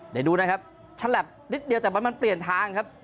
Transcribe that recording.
เดี๋ยวดูนะครับฉลับนิดเดียวแต่มันเปลี่ยนทางครับ